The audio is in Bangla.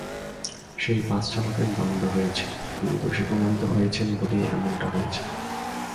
যে বাসচালকের দণ্ড হয়েছে, তিনি দোষী প্রমাণিত হয়েছেন বলেই এমনটা হয়েছে।